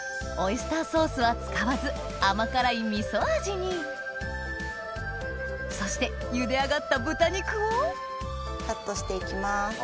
オイスターソースは使わず甘辛いみそ味にそしてゆで上がった豚肉をカットして行きます。